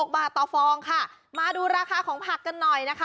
บาทต่อฟองค่ะมาดูราคาของผักกันหน่อยนะคะ